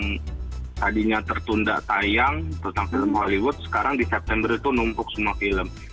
yang tadinya tertunda tayang tentang film hollywood sekarang di september itu numpuk semua film